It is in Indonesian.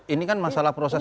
ini kan masalah proses